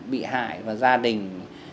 bị hại và gia đình